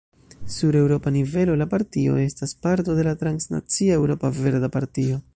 Sur eŭropa nivelo, la partio estas parto de la transnacia Eŭropa Verda Partio.